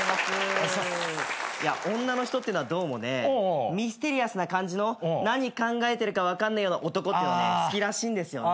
女の人ってのはどうもねミステリアスな感じの何考えてるか分かんないような男っての好きらしいんですよね。